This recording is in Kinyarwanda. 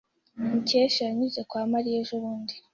Mukesha yanyuze kwa Mariya ejobundi.